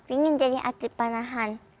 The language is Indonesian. pingin jadi atlet panahan